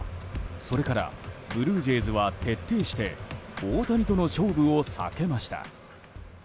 それからブルージェイズは徹底して大谷との勝負を避けました。